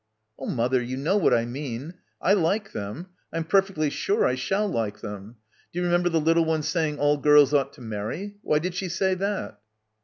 "Oh, mother, you know what I mean. I like them. I'm perfectly sure I shall like them. D'you remember the little one saying all girls ought to marry? Why did she say that?"